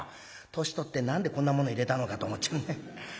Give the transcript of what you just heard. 年取って何でこんなもの入れたのかと思っちまう。